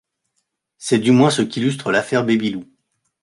C'est du moins ce qu'illustre l'affaire Baby Loup.